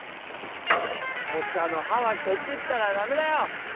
お茶の葉はケチったらダメだよ。